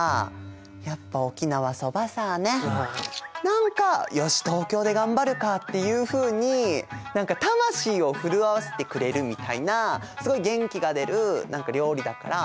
何かよし東京で頑張るかっていうふうに何か魂を震わせてくれるみたいなすごい元気が出る料理だから。